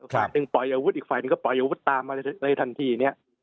ฝ่ายหนึ่งปล่อยอาวุธอีกฝ่ายหนึ่งก็ปล่อยอาวุธตามมาในทันทีเนี่ย